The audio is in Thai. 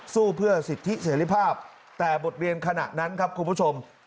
สู้เพื่อสิทธิเสรีภาพแต่บทเรียนขณะนั้นครับคุณผู้ชม